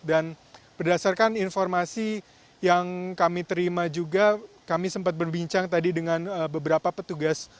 dan berdasarkan informasi yang kami terima juga kami sempat berbincang tadi dengan beberapa petugas